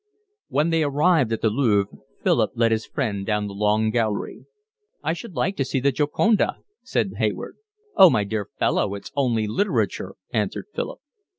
When they arrived at the Louvre Philip led his friend down the Long Gallery. "I should like to see The Gioconda," said Hayward. "Oh, my dear fellow, it's only literature," answered Philip.